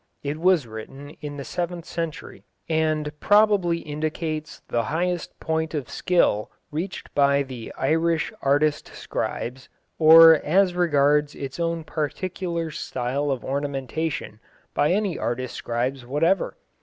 It was written in the seventh century, and probably indicates the highest point of skill reached by the Irish artist scribes, or as regards its own particular style of ornamentation, by any artist scribes whatever.